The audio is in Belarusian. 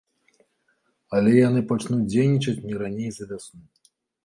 Але яны пачнуць дзейнічаць не раней за вясну.